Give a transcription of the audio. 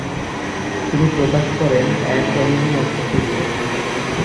তিনি প্রকাশ করেন an enemy of the people.